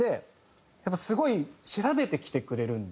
やっぱすごい調べてきてくれるんで。